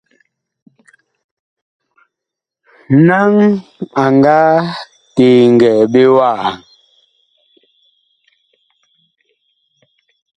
Naŋ a nga teŋgɛɛ ɓe wa ?